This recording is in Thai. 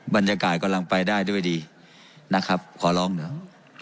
บรรยากาศกำลังไปได้ด้วยดีนะครับขอร้องหน่อย